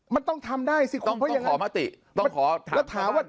มันต้องทำได้สิคุณเพราะอย่างนั้นต้องขอมติต้องขอถามทางวัด